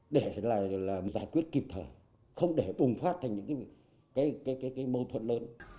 để làm giải quyết kịp thời không để bùng phát thành những mâu thuẫn lớn